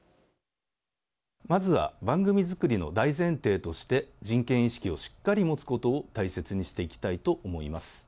まずは番組作りの大前提として、人権意識をしっかり持つことを大切にしていきたいと思います。